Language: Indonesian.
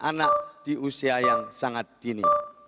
dan anak di usia yang sangat dini